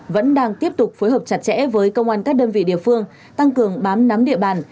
vẫn đang tiếp tục phối hợp chặt chẽ với công an các đơn vị địa phương tăng cường bám nắm địa bàn